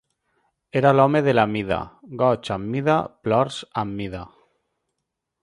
Era l'home de la mida: goig am mida, plors am mida